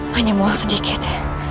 hanya mual sedikit